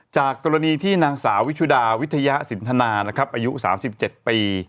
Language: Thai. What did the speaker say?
จากกรณีที่นางสาววิชุดาวิทยาสินทนานะครับอายุ๓๗ปี